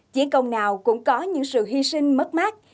chiến công nào cũng có những sự hy sinh mất mát